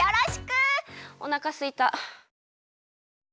おなかすいた。